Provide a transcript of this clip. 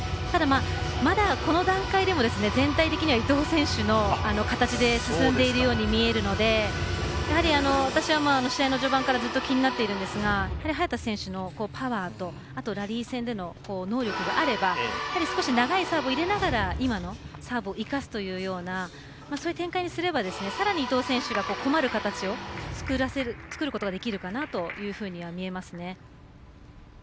ただ、まだこの段階でも全体的には伊藤選手の形で進んでいるように見えるのでやはり、私は試合の序盤からずっと気になっているんですが早田選手のパワーとラリー戦での能力があれば少し長いサーブを入れながら今のサーブを生かすというようなそういう展開にすればさらに伊藤選手が困る形を作ることができるかなというふうには見えますね。